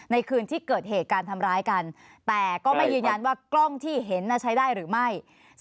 คืนที่เกิดเหตุการทำร้ายกันแต่ก็ไม่ยืนยันว่ากล้องที่เห็นใช้ได้หรือไม่